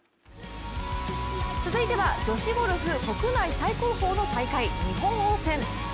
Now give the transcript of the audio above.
続いては女子ゴルフ国内最高峰の大会、日本オープン。